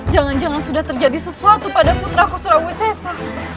jangan jangan sudah terjadi sesuatu pada putraku surawi sesa